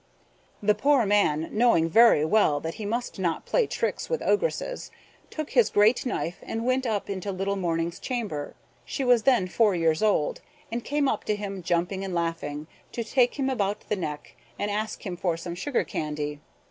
The poor man, knowing very well that he must not play tricks with Ogresses, took his great knife and went up into little Morning's chamber. She was then four years old, and came up to him jumping and laughing, to take him about the neck, and ask him for some sugar candy.